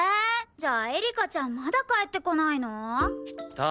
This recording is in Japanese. じゃあエリカちゃんまだ帰ってこないの？